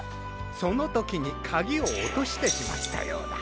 そのときにかぎをおとしてしまったようだ。